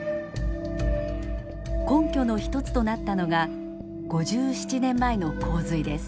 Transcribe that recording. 根拠の一つとなったのが５７年前の洪水です。